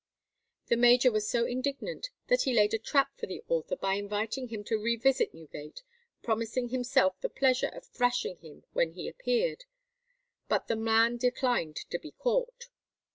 The major was so indignant that he laid a trap for the author by inviting him to revisit Newgate, promising himself the pleasure of thrashing him when he appeared, but the man declined to be caught.